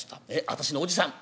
私のおじさん。